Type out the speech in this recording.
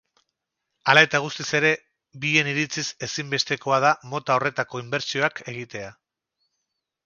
Hala eta guztiz ere, bien iritziz ezinbestekoa da mota horretako inbertsioak egitea.